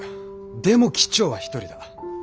でも機長は１人だ。